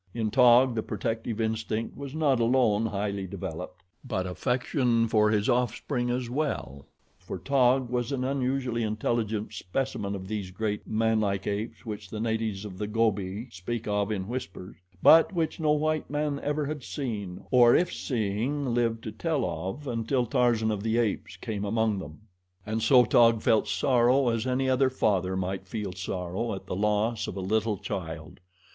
In Taug the protective instinct was not alone highly developed; but affection for his offspring as well, for Taug was an unusually intelligent specimen of these great, manlike apes which the natives of the Gobi speak of in whispers; but which no white man ever had seen, or, if seeing, lived to tell of until Tarzan of the Apes came among them. And so Taug felt sorrow as any other father might feel sorrow at the loss of a little child.